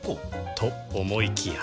と思いきや